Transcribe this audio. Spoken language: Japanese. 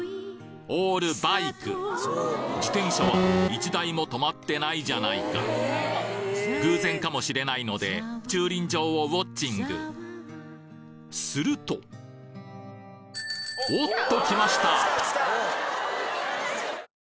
オールバイク自転車は１台もとまってないじゃないか偶然かもしれないのでするとおっと！